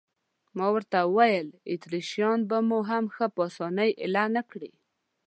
ما ورته وویل: اتریشیان به مو هم ښه په اسانۍ اېله نه کړي.